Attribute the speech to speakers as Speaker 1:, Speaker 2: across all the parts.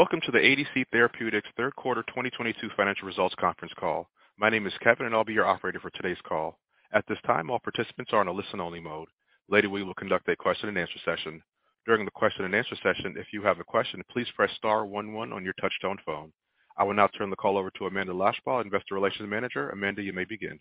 Speaker 1: Welcome to the ADC Therapeutics third quarter 2022 financial results conference call. My name is Kevin, and I'll be your operator for today's call. At this time, all participants are on a listen-only mode. Later, we will conduct a question-and-answer session. During the question-and-answer session, if you have a question, please press star one one on your touch-tone phone. I will now turn the call over to Amanda Loshbaugh, investor relations manager. Amanda, you may begin.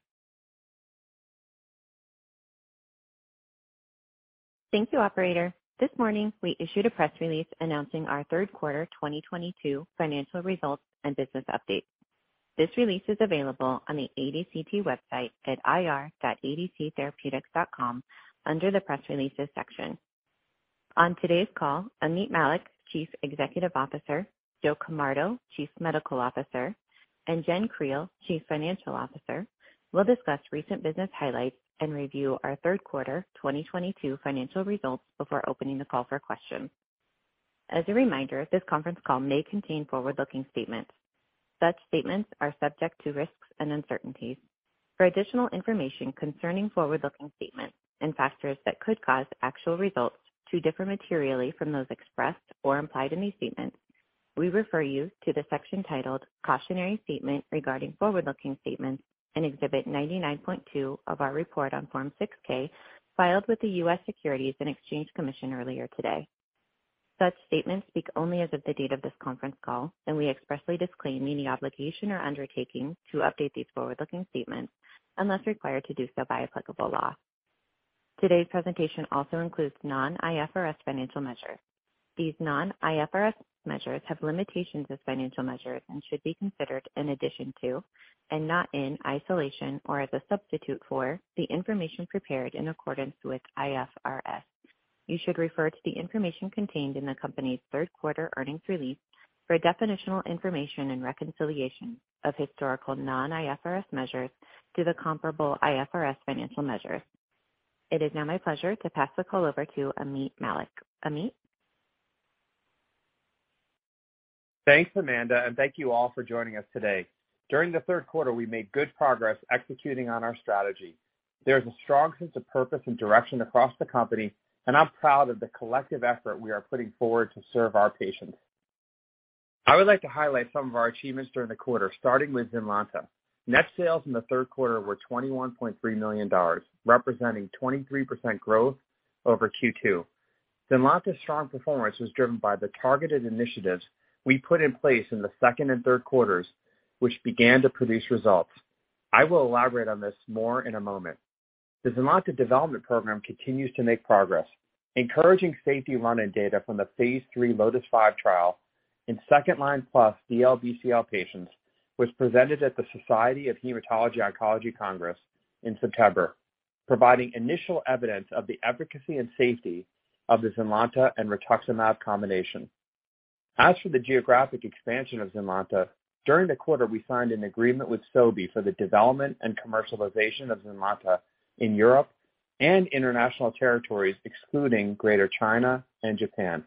Speaker 2: Thank you, operator. This morning, we issued a press release announcing our third quarter 2022 financial results and business update. This release is available on the ADCT website at ir.adctherapeutics.com under the Press Releases section. On today's call, Ameet Mallik, Chief Executive Officer, Joe Camardo, Chief Medical Officer, and Jenn Creel, Chief Financial Officer, will discuss recent business highlights and review our third quarter 2022 financial results before opening the call for questions. As a reminder, this conference call may contain forward-looking statements. Such statements are subject to risks and uncertainties. For additional information concerning forward-looking statements and factors that could cause actual results to differ materially from those expressed or implied in these statements, we refer you to the section titled Cautionary Statement Regarding Forward-Looking Statements in Exhibit 99.2 of our report on Form 6-K filed with the U.S. Securities and Exchange Commission earlier today. Such statements speak only as of the date of this conference call, we expressly disclaim any obligation or undertaking to update these forward-looking statements unless required to do so by applicable law. Today's presentation also includes non-IFRS financial measures. These non-IFRS measures have limitations as financial measures and should be considered in addition to, and not in isolation or as a substitute for, the information prepared in accordance with IFRS. You should refer to the information contained in the company's third quarter earnings release for definitional information and reconciliation of historical non-IFRS measures to the comparable IFRS financial measures. It is now my pleasure to pass the call over to Ameet Mallik. Ameet?
Speaker 3: Thanks, Amanda, thank you all for joining us today. During the third quarter, we made good progress executing on our strategy. There is a strong sense of purpose and direction across the company, I'm proud of the collective effort we are putting forward to serve our patients. I would like to highlight some of our achievements during the quarter, starting with ZYNLONTA. Net sales in the third quarter were $21.3 million, representing 23% growth over Q2. ZYNLONTA's strong performance was driven by the targeted initiatives we put in place in the second and third quarters, which began to produce results. I will elaborate on this more in a moment. The ZYNLONTA development program continues to make progress. Encouraging safety run-in data from the phase III LOTIS-5 trial in second-line+ DLBCL patients was presented at the Society of Hematologic Oncology Congress in September, providing initial evidence of the efficacy and safety of the ZYNLONTA and rituximab combination. As for the geographic expansion of ZYNLONTA, during the quarter, we signed an agreement with Sobi for the development and commercialization of ZYNLONTA in Europe and international territories excluding Greater China and Japan.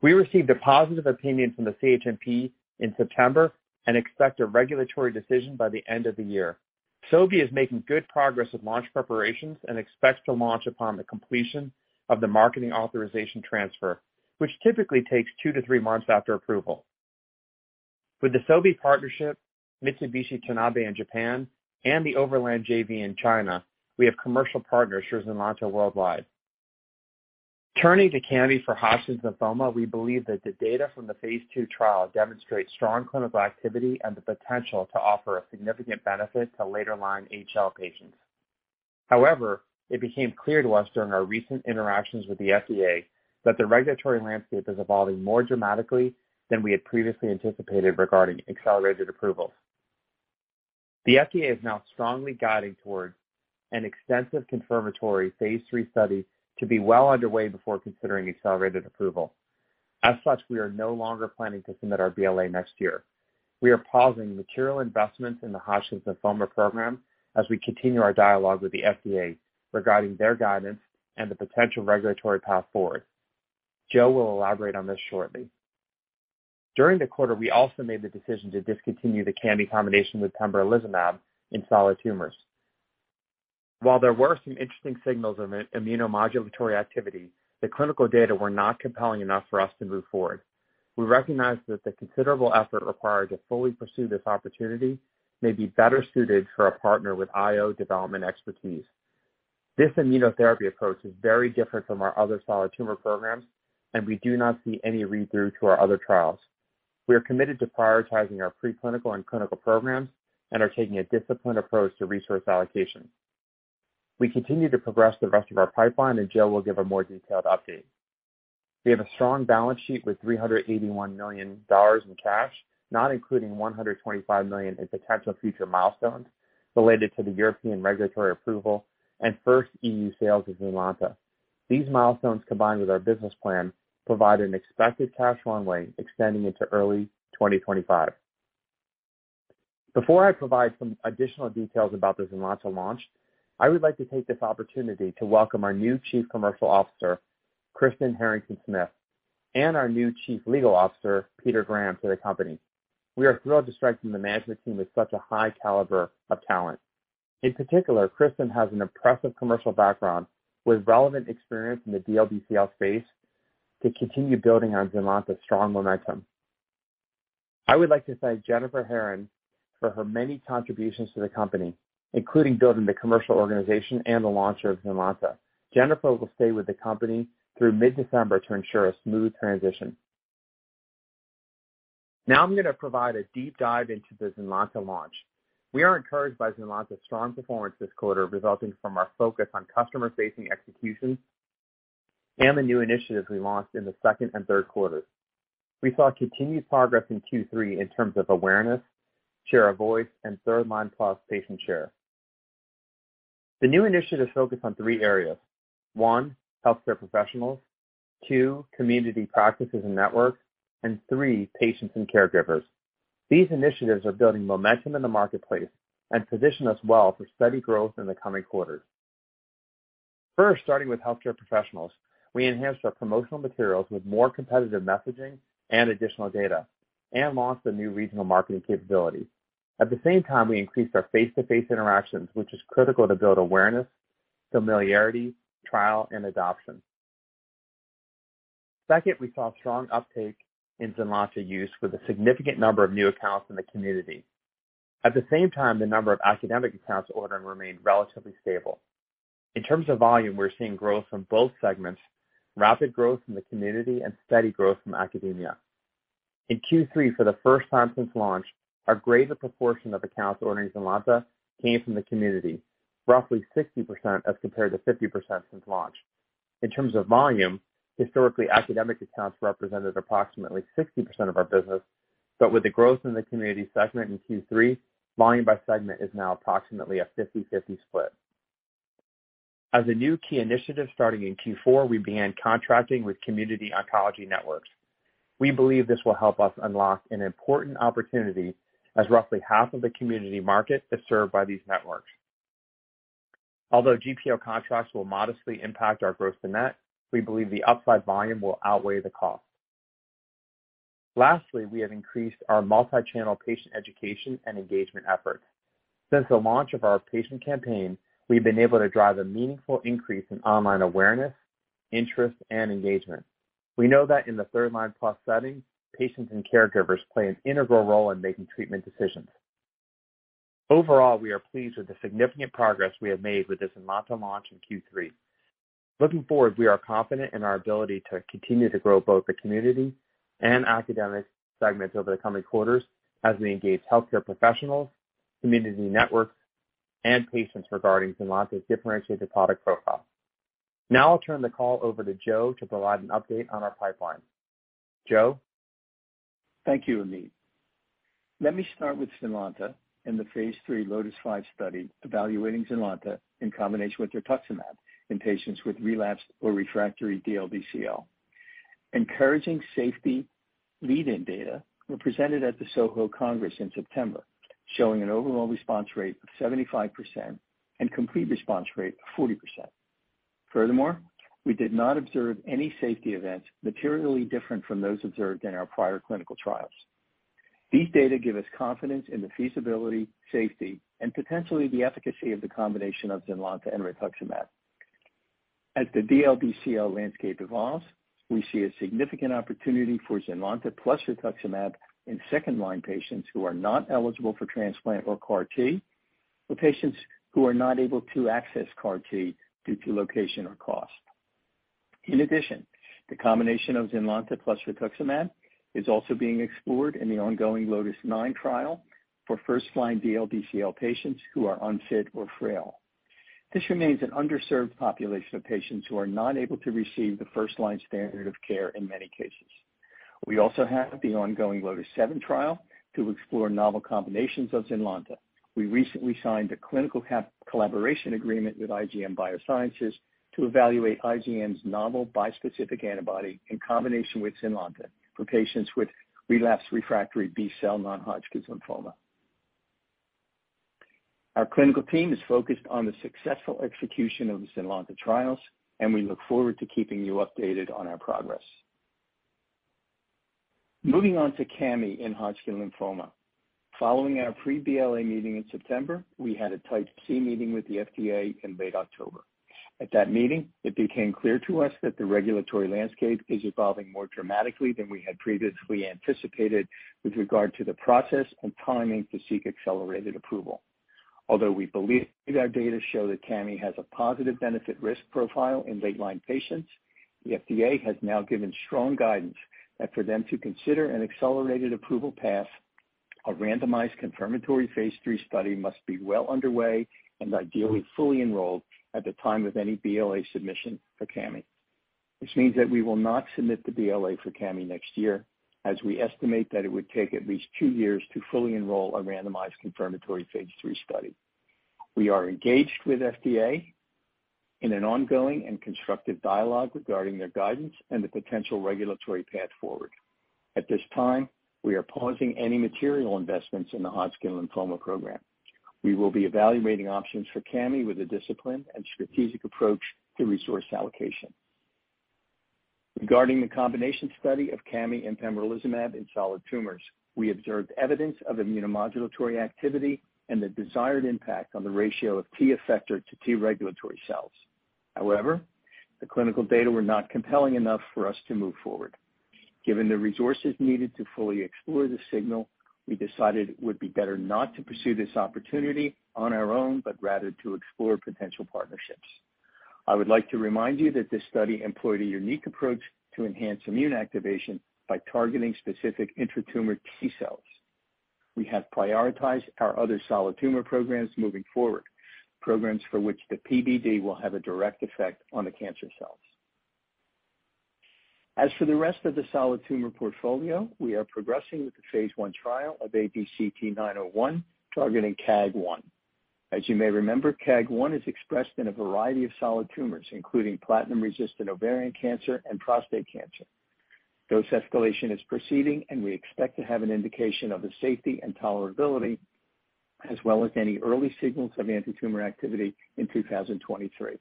Speaker 3: We received a positive opinion from the CHMP in September and expect a regulatory decision by the end of the year. Sobi is making good progress with launch preparations and expects to launch upon the completion of the marketing authorization transfer, which typically takes two to three months after approval. With the Sobi partnership, Mitsubishi Tanabe in Japan, and the Overland JV in China, we have commercial partners for ZYNLONTA worldwide. Turning to Cami for Hodgkin's lymphoma, we believe that the data from the phase II trial demonstrates strong clinical activity and the potential to offer a significant benefit to later-line HL patients. However, it became clear to us during our recent interactions with the FDA that the regulatory landscape is evolving more dramatically than we had previously anticipated regarding accelerated approvals. The FDA is now strongly guiding towards an extensive confirmatory phase III study to be well underway before considering accelerated approval. As such, we are no longer planning to submit our BLA next year. We are pausing material investments in the Hodgkin's lymphoma program as we continue our dialogue with the FDA regarding their guidance and the potential regulatory path forward. Joe will elaborate on this shortly. During the quarter, we also made the decision to discontinue the Cami combination with pembrolizumab in solid tumors. While there were some interesting signals of immunomodulatory activity, the clinical data were not compelling enough for us to move forward. We recognize that the considerable effort required to fully pursue this opportunity may be better suited for a partner with IO development expertise. This immunotherapy approach is very different from our other solid tumor programs. We do not see any read-through to our other trials. We are committed to prioritizing our pre-clinical and clinical programs. We are taking a disciplined approach to resource allocation. We continue to progress the rest of our pipeline. Joe will give a more detailed update. We have a strong balance sheet with $381 million in cash, not including $125 million in potential future milestones related to the European regulatory approval and first EU sales of ZYNLONTA. These milestones, combined with our business plan, provide an expected cash runway extending into early 2025. Before I provide some additional details about the ZYNLONTA launch, I would like to take this opportunity to welcome our new Chief Commercial Officer, Kristen Harrington-Smith, and our new Chief Legal Officer, Peter Graham, to the company. We are thrilled to strengthen the management team with such a high caliber of talent. In particular, Kristen has an impressive commercial background with relevant experience in the DLBCL space to continue building on ZYNLONTA's strong momentum. I would like to thank Jennifer Herring for her many contributions to the company, including building the commercial organization and the launch of ZYNLONTA. Jennifer will stay with the company through mid-December to ensure a smooth transition. Now I'm going to provide a deep dive into the ZYNLONTA launch. We are encouraged by ZYNLONTA's strong performance this quarter, resulting from our focus on customer-facing execution and the new initiatives we launched in the second and third quarters. We saw continued progress in Q3 in terms of awareness, share of voice, and third-line plus patient share. The new initiatives focus on three areas. One, healthcare professionals, two, community practices and networks, and three, patients and caregivers. These initiatives are building momentum in the marketplace and position us well for steady growth in the coming quarters. First, starting with healthcare professionals, we enhanced our promotional materials with more competitive messaging and additional data and launched a new regional marketing capability. At the same time, we increased our face-to-face interactions, which is critical to build awareness, familiarity, trial, and adoption. Second, we saw strong uptake in ZYNLONTA use with a significant number of new accounts in the community. At the same time, the number of academic accounts ordering remained relatively stable. In terms of volume, we're seeing growth from both segments, rapid growth from the community, and steady growth from academia. In Q3, for the first time since launch, our greater proportion of accounts ordering ZYNLONTA came from the community, roughly 60% as compared to 50% since launch. In terms of volume, historically academic accounts represented approximately 60% of our business, but with the growth in the community segment in Q3, volume by segment is now approximately a 50/50 split. As a new key initiative starting in Q4, we began contracting with community oncology networks. We believe this will help us unlock an important opportunity as roughly half of the community market is served by these networks. Although GPO contracts will modestly impact our gross net, we believe the upside volume will outweigh the cost. Lastly, we have increased our multi-channel patient education and engagement efforts. Since the launch of our patient campaign, we've been able to drive a meaningful increase in online awareness, interest, and engagement. We know that in the third-line plus setting, patients and caregivers play an integral role in making treatment decisions. Overall, we are pleased with the significant progress we have made with the ZYNLONTA launch in Q3. Looking forward, we are confident in our ability to continue to grow both the community and academic segments over the coming quarters as we engage healthcare professionals, community networks, and patients regarding ZYNLONTA's differentiated product profile. Now I'll turn the call over to Joe to provide an update on our pipeline. Joe?
Speaker 4: Thank you, Ameet. Let me start with ZYNLONTA and the phase III LOTIS-5 study evaluating ZYNLONTA in combination with rituximab in patients with relapsed or refractory DLBCL. Encouraging safety lead-in data were presented at the SOHO Congress in September, showing an overall response rate of 75% and complete response rate of 40%. Furthermore, we did not observe any safety events materially different from those observed in our prior clinical trials. These data give us confidence in the feasibility, safety, and potentially the efficacy of the combination of ZYNLONTA and rituximab. As the DLBCL landscape evolves, we see a significant opportunity for ZYNLONTA plus rituximab in second-line patients who are not eligible for transplant or CAR T, or patients who are not able to access CAR T due to location or cost. In addition, the combination of ZYNLONTA plus rituximab is also being explored in the ongoing LOTIS-9 trial for first-line DLBCL patients who are unfit or frail. This remains an underserved population of patients who are not able to receive the first-line standard of care in many cases. We also have the ongoing LOTIS-7 trial to explore novel combinations of ZYNLONTA. We recently signed a clinical collaboration agreement with IGM Biosciences to evaluate IGM's novel bispecific antibody in combination with ZYNLONTA for patients with relapsed refractory B-cell non-Hodgkin lymphoma. Our clinical team is focused on the successful execution of the ZYNLONTA trials. We look forward to keeping you updated on our progress. Moving on to Cami in Hodgkin lymphoma. Following our pre-BLA meeting in September, we had a Type C meeting with the FDA in late October. At that meeting, it became clear to us that the regulatory landscape is evolving more dramatically than we had previously anticipated with regard to the process and timing to seek accelerated approval. Although we believe our data show that Cami has a positive benefit-risk profile in late-line patients, the FDA has now given strong guidance that for them to consider an accelerated approval path, a randomized confirmatory phase III study must be well underway and ideally fully enrolled at the time of any BLA submission for Cami. This means that we will not submit the BLA for Cami next year, as we estimate that it would take at least two years to fully enroll a randomized confirmatory phase III study. We are engaged with FDA in an ongoing and constructive dialogue regarding their guidance and the potential regulatory path forward. At this time, we are pausing any material investments in the Hodgkin lymphoma program. We will be evaluating options for Cami with a disciplined and strategic approach to resource allocation. Regarding the combination study of Cami and pembrolizumab in solid tumors, we observed evidence of immunomodulatory activity and the desired impact on the ratio of T effector to T regulatory cells. The clinical data were not compelling enough for us to move forward. Given the resources needed to fully explore the signal, we decided it would be better not to pursue this opportunity on our own, but rather to explore potential partnerships. I would like to remind you that this study employed a unique approach to enhance immune activation by targeting specific intra-tumor T cells. We have prioritized our other solid tumor programs moving forward, programs for which the PBD will have a direct effect on the cancer cells. The rest of the solid tumor portfolio, we are progressing with the phase I trial of ADCT-901 targeting KAAG1. As you may remember, KAAG1 is expressed in a variety of solid tumors, including platinum-resistant ovarian cancer and prostate cancer. Dose escalation is proceeding. We expect to have an indication of the safety and tolerability as well as any early signals of anti-tumor activity in 2023.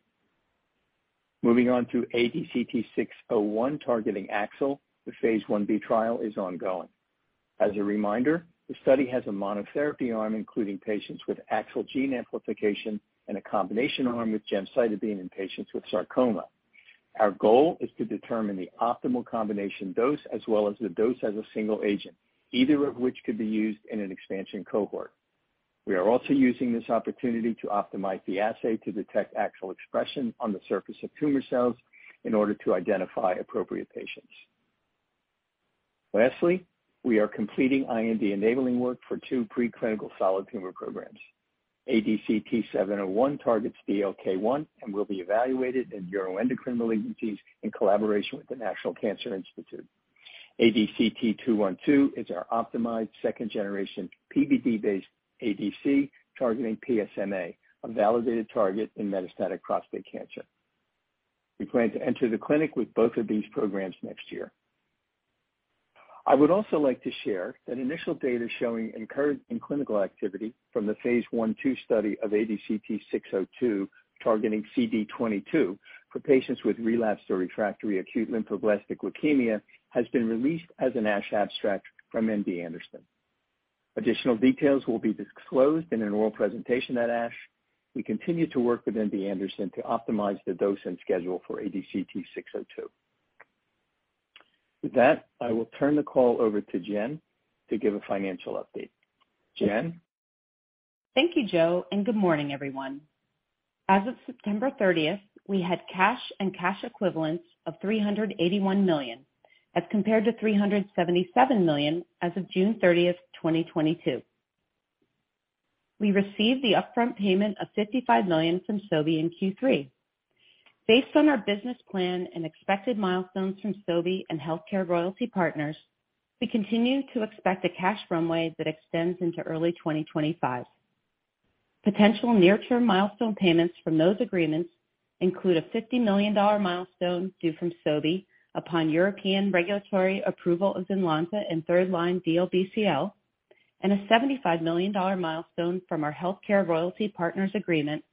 Speaker 4: Moving on to ADCT-601 targeting AXL, the phase I-B trial is ongoing. As a reminder, the study has a monotherapy arm including patients with AXL gene amplification and a combination arm with gemcitabine in patients with sarcoma. Our goal is to determine the optimal combination dose as well as the dose as a single agent, either of which could be used in an expansion cohort. We are also using this opportunity to optimize the assay to detect AXL expression on the surface of tumor cells in order to identify appropriate patients. Lastly, we are completing IND enabling work for two preclinical solid tumor programs. ADCT-701 targets DLK1 and will be evaluated in neuroendocrine malignancies in collaboration with the National Cancer Institute. ADCT-212 is our optimized second-generation PBD-based ADC targeting PSMA, a validated target in metastatic prostate cancer. We plan to enter the clinic with both of these programs next year. I would also like to share that initial data showing encouraging clinical activity from the phase I/II study of ADCT-602 targeting CD22 for patients with relapsed or refractory acute lymphoblastic leukemia has been released as an ASH abstract from MD Anderson. Additional details will be disclosed in an oral presentation at ASH. We continue to work with MD Anderson to optimize the dose and schedule for ADCT-602. With that, I will turn the call over to Jenn to give a financial update. Jenn?
Speaker 5: Thank you, Joe, and good morning, everyone. As of September 30th, we had cash and cash equivalents of $381 million as compared to $377 million as of June 30th, 2022. We received the upfront payment of $55 million from Sobi in Q3. Based on our business plan and expected milestones from Sobi and HealthCare Royalty Partners, we continue to expect a cash runway that extends into early 2025. Potential near-term milestone payments from those agreements include a $50 million milestone due from Sobi upon European regulatory approval of ZYNLONTA in third-line DLBCL, and a $75 million milestone from our HealthCare Royalty Partners agreement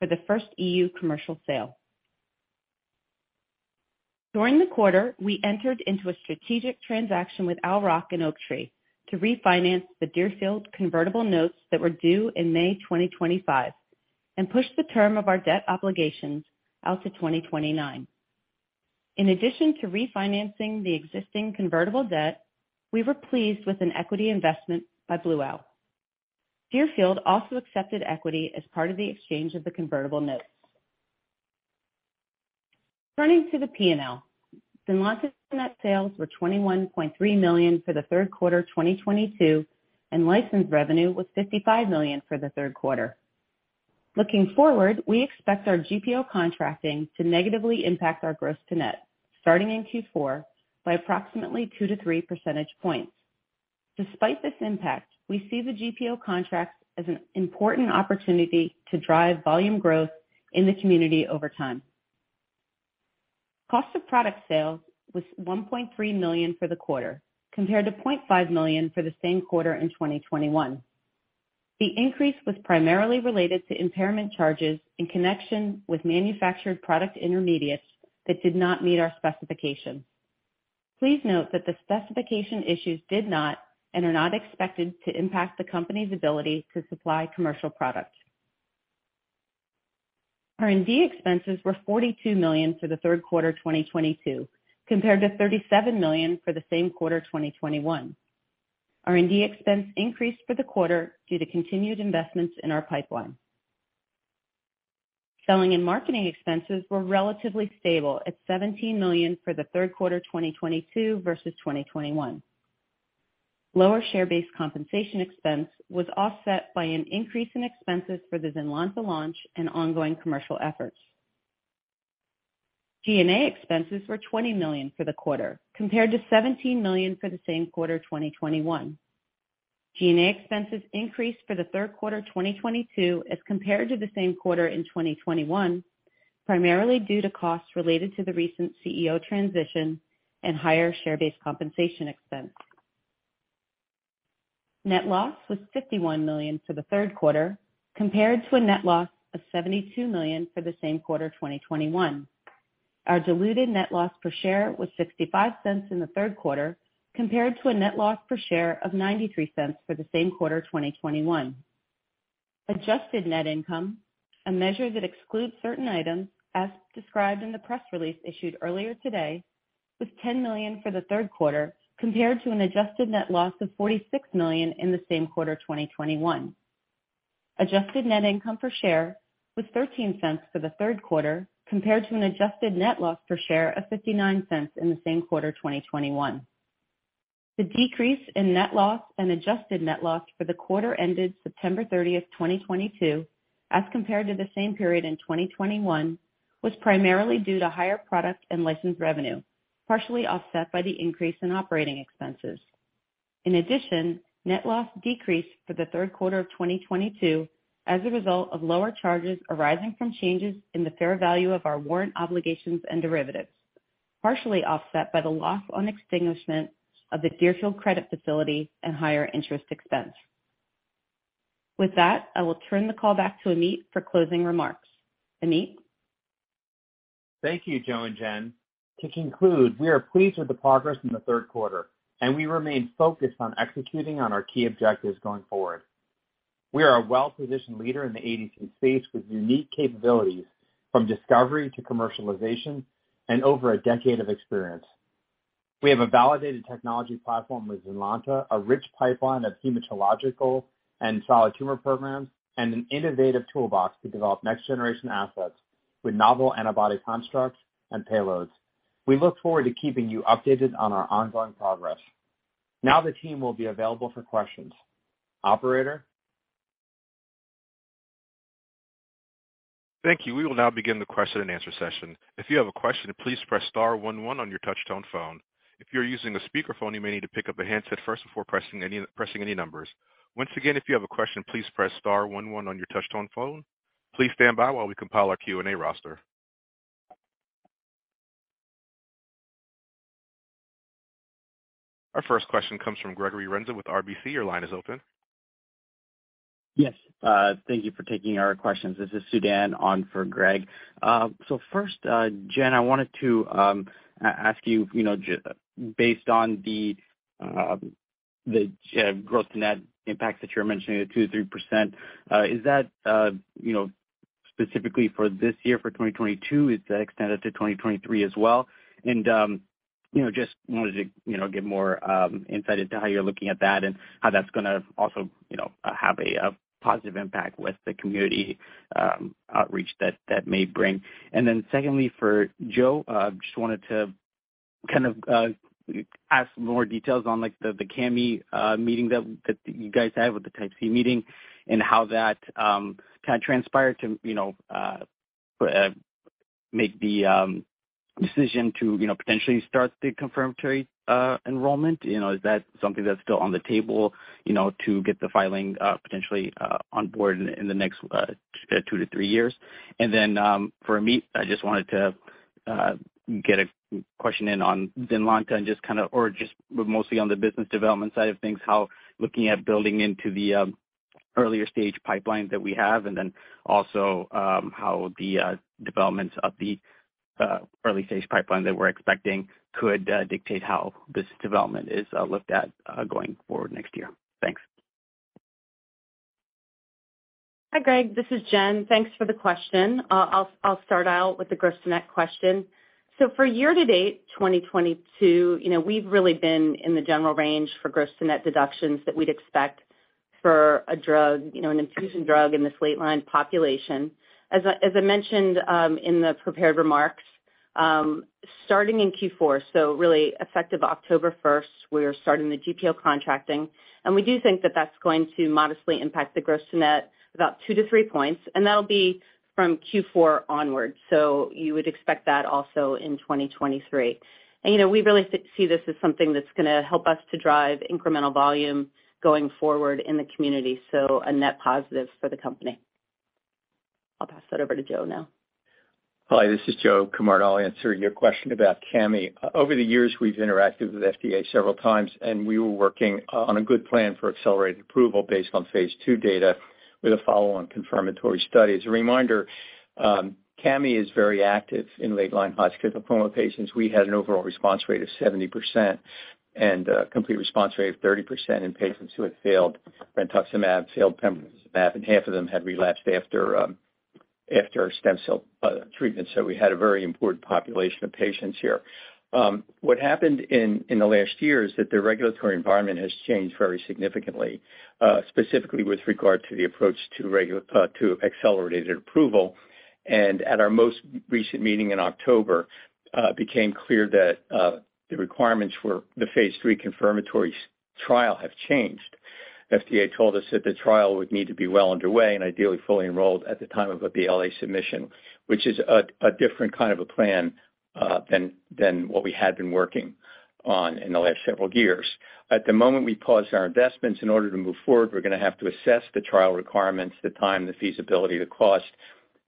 Speaker 5: for the first EU commercial sale. During the quarter, we entered into a strategic transaction with Owl Rock and Oaktree Capital Management to refinance the Deerfield convertible notes that were due in May 2025 and push the term of our debt obligations out to 2029. In addition to refinancing the existing convertible debt, we were pleased with an equity investment by Blue Owl Capital. Deerfield also accepted equity as part of the exchange of the convertible notes. Turning to the P&L. ZYNLONTA net sales were $21.3 million for the third quarter 2022, and license revenue was $55 million for the third quarter. Looking forward, we expect our GPO contracting to negatively impact our gross to net starting in Q4 by approximately two to three percentage points. Despite this impact, we see the GPO contract as an important opportunity to drive volume growth in the community over time. Cost of product sale was $1.3 million for the quarter, compared to $0.5 million for the same quarter in 2021. The increase was primarily related to impairment charges in connection with manufactured product intermediates that did not meet our specifications. Please note that the specification issues did not and are not expected to impact the company's ability to supply commercial products. R&D expenses were $42 million for the third quarter 2022, compared to $37 million for the same quarter 2021. R&D expense increased for the quarter due to continued investments in our pipeline. Selling and marketing expenses were relatively stable at $17 million for the third quarter 2022 versus 2021. Lower share-based compensation expense was offset by an increase in expenses for the ZYNLONTA launch and ongoing commercial efforts. G&A expenses were $20 million for the quarter, compared to $17 million for the same quarter 2021. G&A expenses increased for the third quarter 2022 as compared to the same quarter in 2021, primarily due to costs related to the recent CEO transition and higher share-based compensation expense. Net loss was $51 million for the third quarter compared to a net loss of $72 million for the same quarter 2021. Our diluted net loss per share was $0.65 in the third quarter compared to a net loss per share of $0.93 for the same quarter 2021. Adjusted net income, a measure that excludes certain items as described in the press release issued earlier today, was $10 million for the third quarter compared to an adjusted net loss of $46 million in the same quarter 2021. Adjusted net income per share was $0.13 for the third quarter compared to an adjusted net loss per share of $0.59 in the same quarter 2021. The decrease in net loss and adjusted net loss for the quarter ended September 30th, 2022, as compared to the same period in 2021, was primarily due to higher product and licensed revenue, partially offset by the increase in operating expenses. In addition, net loss decreased for the third quarter of 2022 as a result of lower charges arising from changes in the fair value of our warrant obligations and derivatives, partially offset by the loss on extinguishment of the Deerfield credit facility and higher interest expense. With that, I will turn the call back to Ameet for closing remarks. Ameet?
Speaker 3: Thank you, Joe and Jenn. To conclude, we are pleased with the progress in the third quarter, and we remain focused on executing on our key objectives going forward. We are a well-positioned leader in the ADC space with unique capabilities from discovery to commercialization and over a decade of experience. We have a validated technology platform with ZYNLONTA, a rich pipeline of hematological and solid tumor programs, and an innovative toolbox to develop next-generation assets with novel antibody constructs and payloads. We look forward to keeping you updated on our ongoing progress. Now the team will be available for questions. Operator?
Speaker 1: Thank you. We will now begin the question-and-answer session. If you have a question, please press star one one on your touch-tone phone. If you are using a speakerphone, you may need to pick up a handset first before pressing any numbers. Once again, if you have a question, please press star one one on your touch-tone phone. Please stand by while we compile our Q&A roster. Our first question comes from Gregory Renza with RBC. Your line is open.
Speaker 6: Yes. Thank you for taking our questions. This is Sudan on for Greg. First, Jenn, I wanted to ask you based on the gross to net impacts that you are mentioning at 2%-3%, is that specifically for this year, for 2022? Is that extended to 2023 as well? Just wanted to get more insight into how you are looking at that and how that is going to also have a positive impact with the community outreach that may bring. Secondly, for Joe, just wanted to ask more details on the Cami meeting that you guys had with the Type C meeting and how that transpired to make the decision to potentially start the confirmatory enrollment. Is that something that is still on the table to get the filing potentially on board in the next 2-3 years? For Ameet, I just wanted to get a question in on ZYNLONTA and just mostly on the business development side of things, how looking at building into the earlier-stage pipelines that we have, and then also how the developments of the early-stage pipeline that we are expecting could dictate how this development is looked at going forward next year. Thanks.
Speaker 5: Hi, Greg. This is Jenn. Thanks for the question. I will start out with the gross to net question. For year to date 2022, we have really been in the general range for gross to net deductions that we would expect for an infusion drug in this late-line population. As I mentioned in the prepared remarks, starting in Q4, so really effective October 1st, we are starting the GPO contracting, and we do think that that is going to modestly impact the gross to net about 2-3 points, and that will be from Q4 onwards. So you would expect that also in 2023. And we really see this as something that is going to help us to drive incremental volume going forward in the community. So a net positive for the company. I will pass that over to Joe now.
Speaker 4: Hi, this is Joseph Camardo. I'll answer your question about Cami. Over the years, we've interacted with FDA several times, and we were working on a good plan for accelerated approval based on phase II data with a follow-on confirmatory study. As a reminder, Cami is very active in late-line Hodgkin lymphoma patients. We had an overall response rate of 70% and a complete response rate of 30% in patients who had failed brentuximab, failed pembrolizumab, and half of them had relapsed after stem cell treatment. We had a very important population of patients here. What happened in the last year is that the regulatory environment has changed very significantly, specifically with regard to the approach to accelerated approval, and at our most recent meeting in October, it became clear that the requirements for the phase III confirmatory trial have changed. FDA told us that the trial would need to be well underway and ideally fully enrolled at the time of a BLA submission, which is a different kind of a plan than what we had been working on in the last several years. At the moment, we paused our investments. In order to move forward, we're going to have to assess the trial requirements, the time, the feasibility, the cost,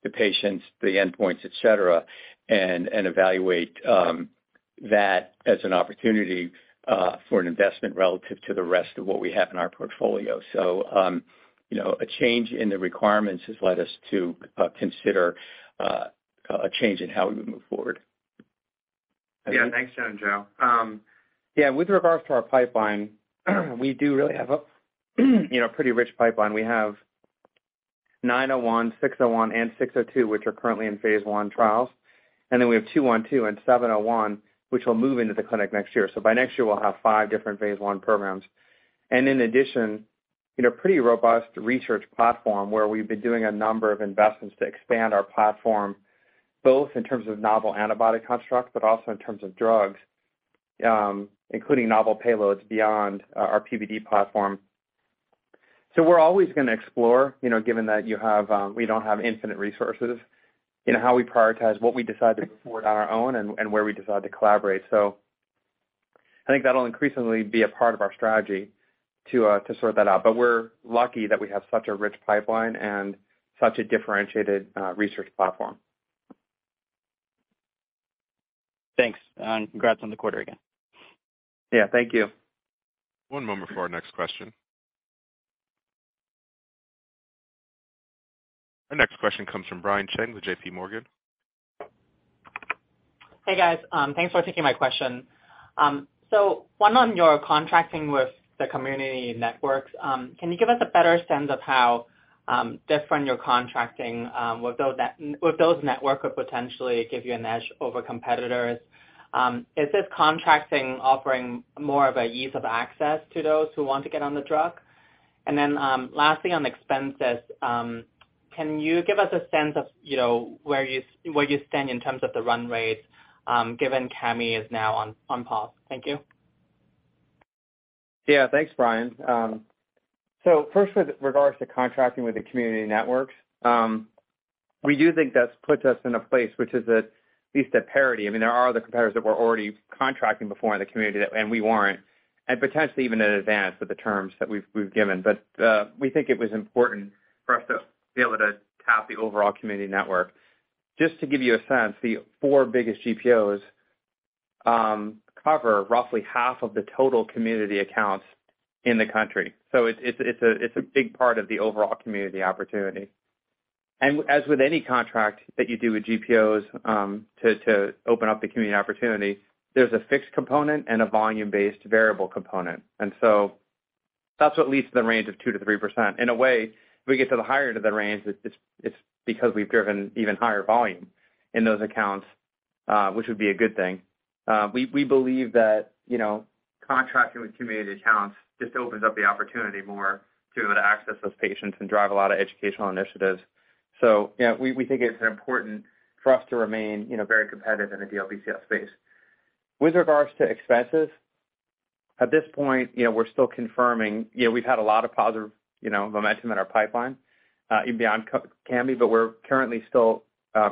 Speaker 4: the patients, the endpoints, et cetera, and evaluate that as an opportunity for an investment relative to the rest of what we have in our portfolio. A change in the requirements has led us to consider a change in how we move forward.
Speaker 3: Yeah. Thanks, Jenn and Joe. Yeah. With regards to our pipeline, we do really have a pretty rich pipeline. We have 901, 601, and 602, which are currently in phase I trials. We have 212 and 701, which will move into the clinic next year. By next year, we'll have five different phase I programs. In addition, pretty robust research platform where we've been doing a number of investments to expand our platform, both in terms of novel antibody constructs, but also in terms of drugs, including novel payloads beyond our PBD platform. We're always going to explore, given that we don't have infinite resources, how we prioritize what we decide to move forward on our own and where we decide to collaborate. I think that'll increasingly be a part of our strategy to sort that out. We're lucky that we have such a rich pipeline and such a differentiated research platform.
Speaker 6: Thanks. Congrats on the quarter again.
Speaker 3: Yeah, thank you.
Speaker 1: One moment for our next question. Our next question comes from Brian Cheng with JPMorgan.
Speaker 7: Hey, guys. Thanks for taking my question. One on your contracting with the community networks. Can you give us a better sense of how different your contracting with those networks could potentially give you an edge over competitors? Is this contracting offering more of a ease of access to those who want to get on the drug? Then, lastly, on expenses, can you give us a sense of where you stand in terms of the run rates, given Cami is now on pause? Thank you.
Speaker 3: Yeah. Thanks, Brian. First with regards to contracting with the community networks, we do think that puts us in a place which is at least at parity. There are other competitors that were already contracting before in the community and we weren't, and potentially even at advance with the terms that we've given. We think it was important for us to be able to tap the overall community network. Just to give you a sense, the four biggest GPOs cover roughly half of the total community accounts in the country, so it's a big part of the overall community opportunity. As with any contract that you do with GPOs, to open up the community opportunity, there's a fixed component and a volume-based variable component. That's what leads to the range of 2%-3%. In a way, if we get to the higher end of the range, it's because we've driven even higher volume in those accounts, which would be a good thing. We believe that contracting with community accounts just opens up the opportunity more to be able to access those patients and drive a lot of educational initiatives. We think it's important for us to remain very competitive in the DLBCL space. With regards to expenses, at this point, we're still confirming. We've had a lot of positive momentum in our pipeline, even beyond Cami, but we're currently still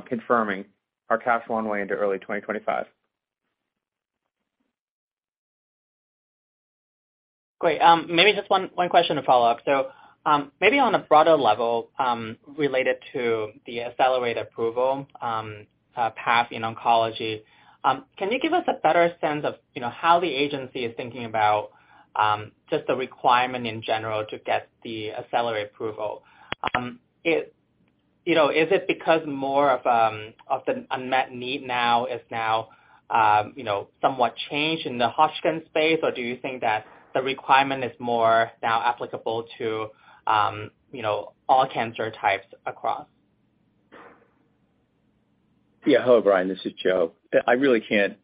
Speaker 3: confirming our cash runway into early 2025.
Speaker 7: Great. Maybe just one question to follow up. Maybe on a broader level, related to the accelerated approval path in oncology, can you give us a better sense of how the agency is thinking about just the requirement in general to get the accelerated approval? Is it because more of the unmet need now is now somewhat changed in the Hodgkin's space, or do you think that the requirement is more now applicable to all cancer types across?
Speaker 4: Yeah. Hello, Brian. This is Joe. I really can't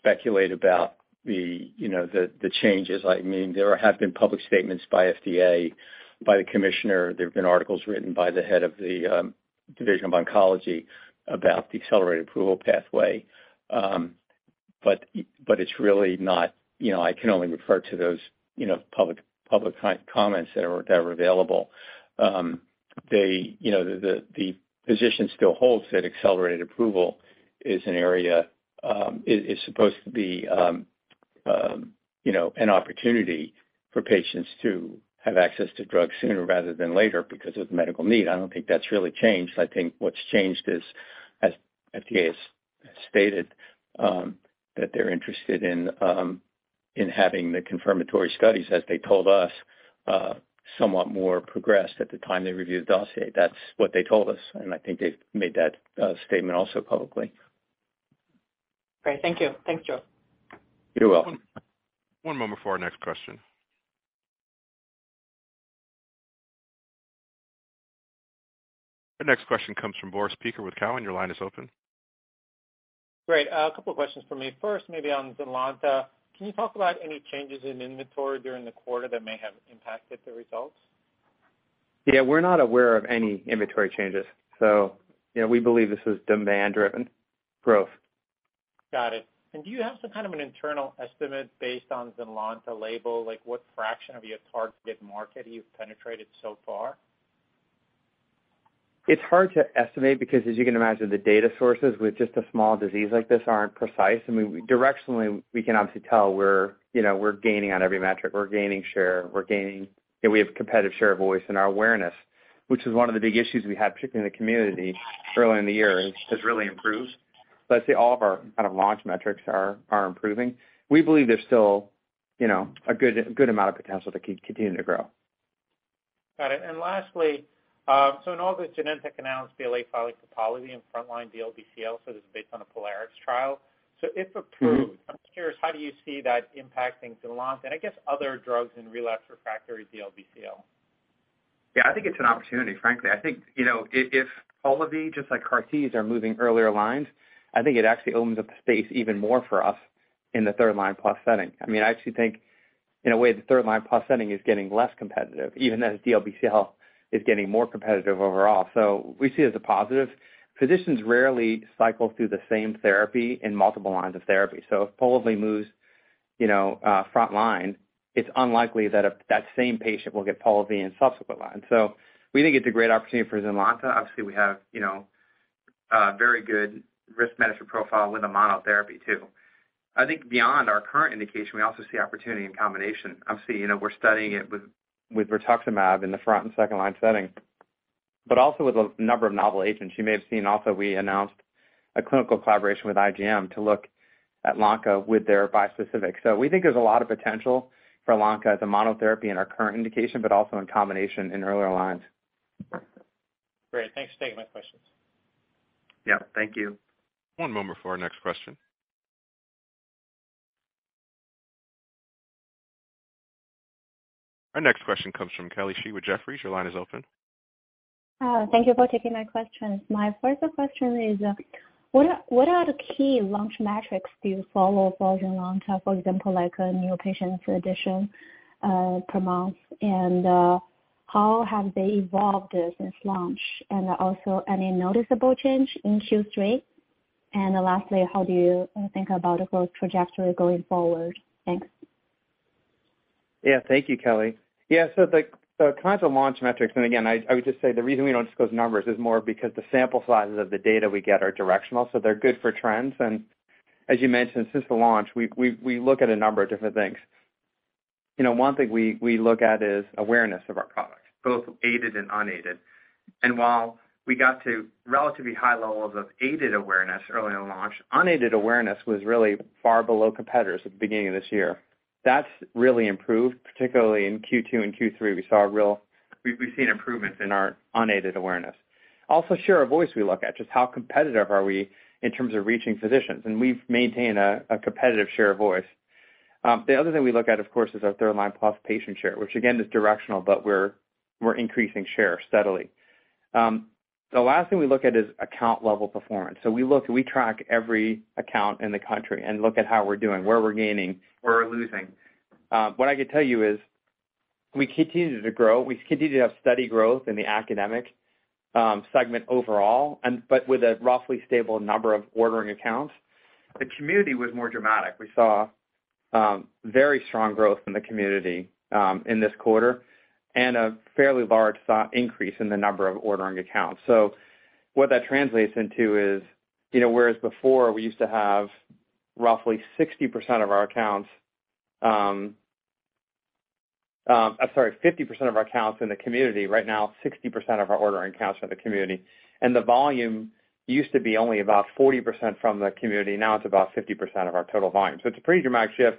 Speaker 4: speculate about the changes. There have been public statements by FDA, by the commissioner. There have been articles written by the head of the Division of Oncology about the accelerated approval pathway. I can only refer to those public comments that were available. The position still holds that accelerated approval is supposed to be an opportunity for patients to have access to drugs sooner rather than later because of medical need. I don't think that's really changed. I think what's changed is, as FDA has stated, that they're interested in having the confirmatory studies, as they told us, somewhat more progressed at the time they review the dossier. That's what they told us, and I think they've made that statement also publicly.
Speaker 7: Great. Thank you. Thanks, Joe.
Speaker 4: You're welcome.
Speaker 1: One moment for our next question. Our next question comes from Boris Peaker with Cowen. Your line is open.
Speaker 8: Great. A two questions for me. First, maybe on ZYNLONTA. Can you talk about any changes in inventory during the quarter that may have impacted the results?
Speaker 3: Yeah, we're not aware of any inventory changes, so we believe this was demand-driven growth.
Speaker 8: Got it. Do you have some kind of an internal estimate based on ZYNLONTA label, like what fraction of your targeted market you've penetrated so far?
Speaker 3: It's hard to estimate because as you can imagine, the data sources with just a small disease like this aren't precise. Directionally, we can obviously tell we're gaining on every metric. We're gaining share. We have competitive share of voice and our awareness, which is one of the big issues we had, particularly in the community earlier in the year, has really improved. I'd say all of our launch metrics are improving. We believe there's still a good amount of potential to keep continuing to grow.
Speaker 8: Got it. Lastly, so in all this Genentech announced the late filing for Polivy in frontline DLBCL, so this is based on the POLARIX trial. If approved, I'm curious, how do you see that impacting the launch and I guess other drugs in relapse refractory DLBCL?
Speaker 3: Yeah, I think it's an opportunity, frankly. I think, if Polivy just like CAR T's are moving earlier lines, I think it actually opens up the space even more for us in the third-line plus setting. I actually think in a way, the third-line plus setting is getting less competitive even as DLBCL is getting more competitive overall. We see it as a positive. Physicians rarely cycle through the same therapy in multiple lines of therapy. If Polivy moves front line, it's unlikely that that same patient will get Polivy in subsequent lines. We think it's a great opportunity for ZYNLONTA. Obviously we have a very good risk management profile with a monotherapy too. I think beyond our current indication, we also see opportunity in combination. Obviously, we're studying it with rituximab in the front and second-line setting, but also with a number of novel agents. You may have seen also we announced a clinical collaboration with IGM to look at Lonca with their bispecific. We think there's a lot of potential for Lonca as a monotherapy in our current indication, but also in combination in earlier lines.
Speaker 8: Great. Thanks. Take my questions.
Speaker 3: Yeah, thank you.
Speaker 1: One moment for our next question. Our next question comes from Kelly Shi with Jefferies. Your line is open.
Speaker 9: Thank you for taking my questions. My first question is, what are the key launch metrics do you follow for ZYNLONTA, for example, like new patient addition per month, and how have they evolved since launch? Also any noticeable change in Q3? Lastly, how do you think about the growth trajectory going forward? Thanks.
Speaker 3: Yeah, thank you, Kelly. The kinds of launch metrics, again, I would just say the reason we don't disclose numbers is more because the sample sizes of the data we get are directional, so they're good for trends. As you mentioned, since the launch, we look at a number of different things. One thing we look at is awareness of our product, both aided and unaided. While we got to relatively high levels of aided awareness early on launch, unaided awareness was really far below competitors at the beginning of this year. That's really improved, particularly in Q2 and Q3, we've seen improvements in our unaided awareness. Also share of voice we look at, just how competitive are we in terms of reaching physicians, and we've maintained a competitive share of voice. The other thing we look at, of course, is our third line plus patient share, which again is directional, but we're increasing share steadily. The last thing we look at is account level performance. We look, we track every account in the country and look at how we're doing, where we're gaining, where we're losing. What I could tell you is we continue to grow. We continue to have steady growth in the academic segment overall, but with a roughly stable number of ordering accounts. The community was more dramatic. We saw very strong growth in the community, in this quarter and a fairly large increase in the number of ordering accounts. What that translates into is, whereas before we used to have roughly 60% of our accounts, I'm sorry, 50% of our accounts in the community. Right now, 60% of our ordering accounts are in the community. The volume used to be only about 40% from the community. Now it's about 50% of our total volume. It's a pretty dramatic shift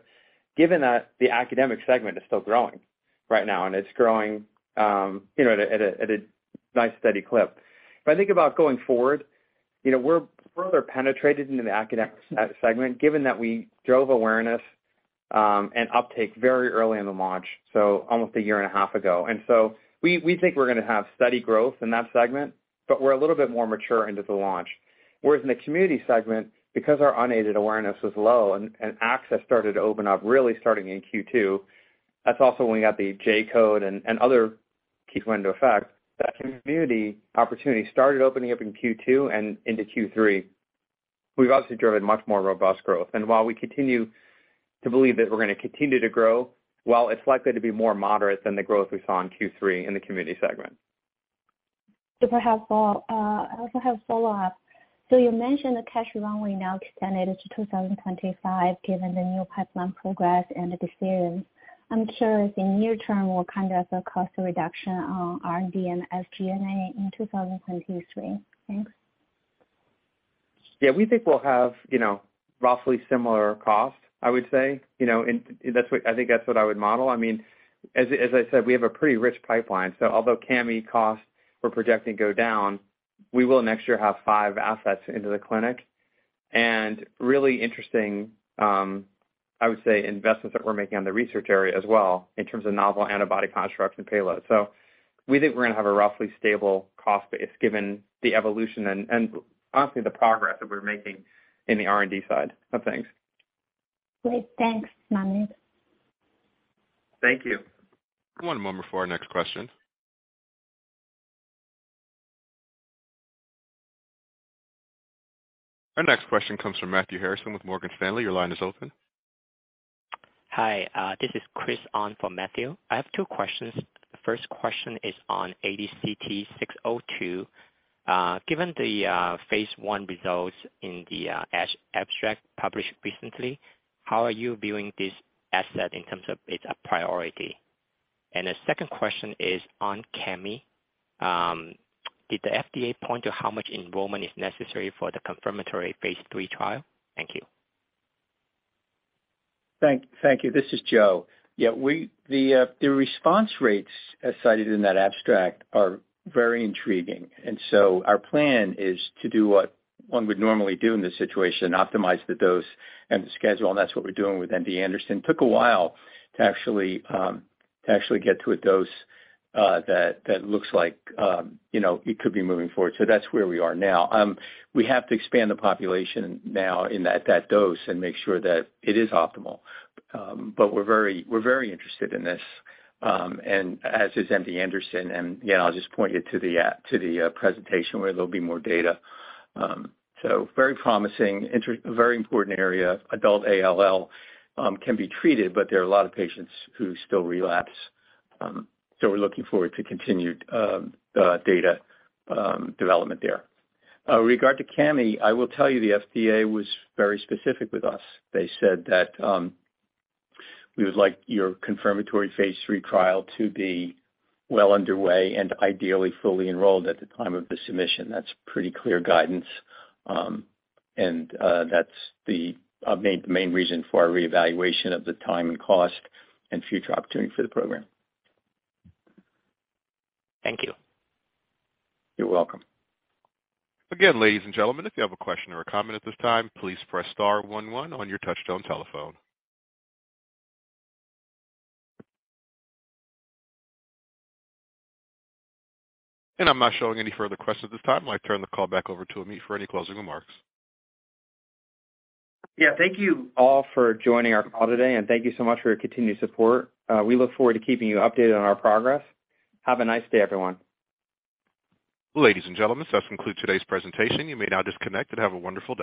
Speaker 3: given that the academic segment is still growing right now, and it's growing at a nice steady clip. If I think about going forward, we're further penetrated into the academic segment given that we drove awareness, and uptake very early in the launch, so almost a year and a half ago. We think we're going to have steady growth in that segment, but we're a little bit more mature into the launch, whereas in the community segment, because our unaided awareness was low and access started to open up really starting in Q2, that's also when we got the J-code and other key went into effect. That community opportunity started opening up in Q2 and into Q3. We've obviously driven much more robust growth. While we continue to believe that we're going to continue to grow, while it's likely to be more moderate than the growth we saw in Q3 in the community segment.
Speaker 9: Super helpful. I also have a follow-up. You mentioned the cash runway now extended to 2025 given the new pipeline progress and the decisions. I'm curious in near term, what kind of cost reduction on R&D and SG&A in 2023? Thanks.
Speaker 3: We think we'll have roughly similar cost, I would say. I think that's what I would model. As I said, we have a pretty rich pipeline, although Cami costs we're projecting go down, we will next year have five assets into the clinic and really interesting, I would say, investments that we're making on the research area as well in terms of novel antibody construction payloads. We think we're going to have a roughly stable cost base given the evolution and honestly, the progress that we're making in the R&D side of things.
Speaker 9: Great. Thanks. No more.
Speaker 3: Thank you.
Speaker 1: One moment for our next question. Our next question comes from Matthew Harrison with Morgan Stanley. Your line is open.
Speaker 10: Hi, this is Chris on for Matthew. I have two questions. First question is on ADCT-602. Given the phase I results in the abstract published recently, how are you viewing this asset in terms of its priority? The second question is on Cami. Did the FDA point to how much enrollment is necessary for the confirmatory Phase III trial? Thank you.
Speaker 4: Thank you. This is Joe. The response rates as cited in that abstract are very intriguing. Our plan is to do what one would normally do in this situation, optimize the dose and the schedule, and that's what we're doing with MD Anderson. Took a while to actually get to a dose that looks like it could be moving forward. That's where we are now. We have to expand the population now in that dose and make sure that it is optimal. We're very interested in this, as is MD Anderson. Yeah, I'll just point you to the presentation where there'll be more data. Very promising, a very important area. Adult ALL can be treated, but there are a lot of patients who still relapse. We're looking forward to continued data development there. In regard to Cami, I will tell you the FDA was very specific with us. They said that, We would like your confirmatory phase III trial to be well underway and ideally fully enrolled at the time of the submission. That's pretty clear guidance, and that's the main reason for our reevaluation of the time and cost and future opportunity for the program.
Speaker 10: Thank you.
Speaker 4: You're welcome.
Speaker 1: ladies and gentlemen, if you have a question or a comment at this time, please press star one one on your touchtone telephone. I'm not showing any further questions at this time. I turn the call back over to Ameet for any closing remarks.
Speaker 3: Yeah, thank you all for joining our call today, and thank you so much for your continued support. We look forward to keeping you updated on our progress. Have a nice day, everyone.
Speaker 1: Ladies and gentlemen, this does conclude today's presentation. You may now disconnect and have a wonderful day.